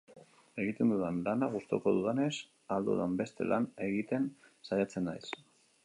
Egiten dudan lana gustoko dudanez, ahal dudan beste lan egiten saiatzen naiz.